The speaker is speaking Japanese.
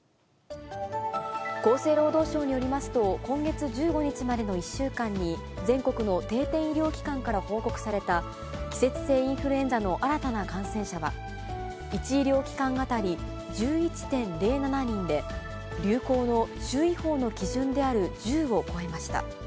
厚生労働省によりますと、今月１５日までの１週間に、全国の定点医療機関から報告された季節性インフルエンザの新たな感染者は、１医療機関当たり１１．０７人で、流行の注意報の基準である１０を超えました。